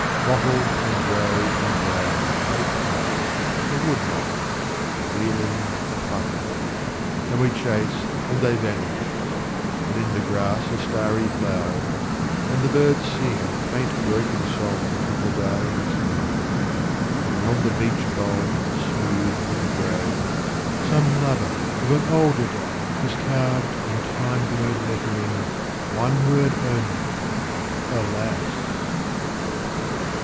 Mottled and grey and brown they pass, The wood moths, wheeling, fluttering; And we chase and they vanish; and in the grass Are starry flowers, and the birds sing Faint broken songs of the dying spring. And on the beech bole, smooth and grey, Some lover of an older day Has carved in time blurred lettering One word only "Alas."